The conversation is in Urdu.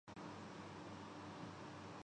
شیوے کیلئے سال تک کوئی فلم سائن نہیں کی اجے